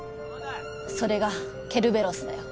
それがケルベロスだよ。